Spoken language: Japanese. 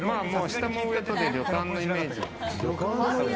下も上とで旅館のイメージ。